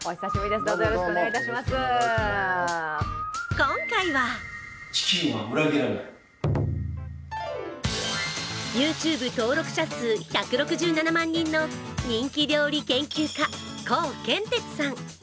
今回はＹｏｕＴｕｂｅ登録者数１６７万人の人気料理研究家・コウケンテツさん。